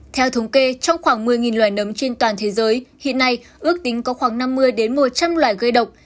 theo thống kê trong khoảng một mươi loài nấm trên toàn thế giới hiện nay ước tính có khoảng năm mươi một trăm linh loài gây độc